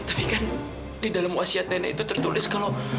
tapi kan di dalam wasiat nenek itu tertulis kalau